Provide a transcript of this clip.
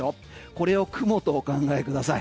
これを雲とお考えください。